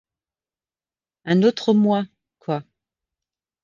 Un autre moi, quoi…